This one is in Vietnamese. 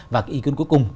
và ý kiến cuối cùng